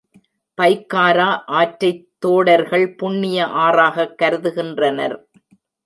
பைக்காரா ஆற்றைத் தோடர்கள் புண்ணிய ஆறாகக் கருதுகின்றனர்.